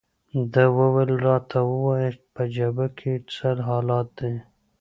ده وویل: راته ووایه، په جبهه کې څه حالات دي؟